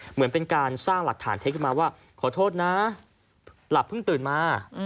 เหมือนเป็นการสร้างหลักฐานเท็จขึ้นมาว่าขอโทษนะหลับเพิ่งตื่นมา